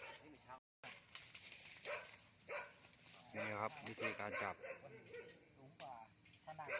วันที่สุดท้ายมันกลายเป็นเวลาที่สุดท้าย